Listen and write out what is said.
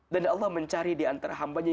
dan allah mencari diantara hambanya